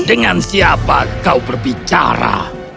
dengan siapa kau berbicara